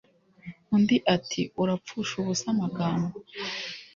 Undi ati Urapfusha ubusa amagambo